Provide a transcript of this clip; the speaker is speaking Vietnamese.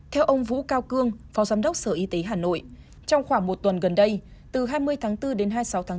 theo ông vũ cao cương phó giám đốc sở y tế hà nội trong khoảng một tuần gần đây từ hai mươi tháng bốn đến hai mươi sáu tháng bốn